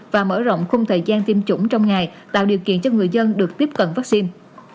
và mở rộng khung thời gian tiêm chủng trong ngày tạo điều kiện cho người dân được tiếp cận vaccine